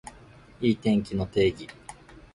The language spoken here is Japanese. いい天気の定義